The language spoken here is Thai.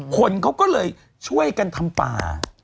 คนเค้าก็ช่วยกันทำป่า